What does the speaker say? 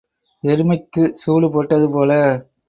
எருமைக்குச் சூடு போட்டது போல.